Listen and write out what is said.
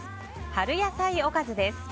春野菜おかずです。